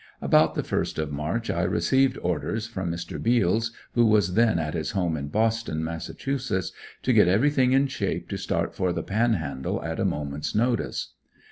About the first of March I received orders from Mr. Beals, who was then at his home in Boston, Mass. to get everything in shape to start for the Panhandle at a moment's notice.